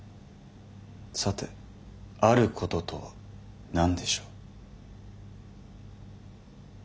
さてあることとは何でしょう？